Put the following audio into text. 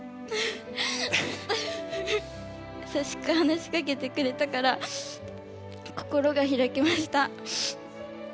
やさしく話しかけてくれたから心がひらきました。